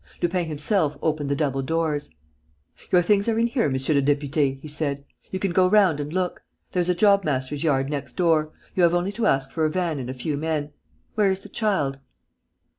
Lupin himself opened the double doors: "Your things are in here, monsieur le député," he said. "You can go round and look. There is a job master's yard next door: you have only to ask for a van and a few men. Where is the child?"